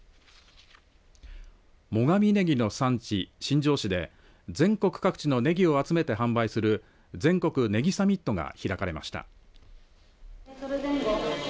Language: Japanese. もがみねぎの産地、新庄市で全国各地のねぎを集めて販売する全国ねぎサミットが開かれました。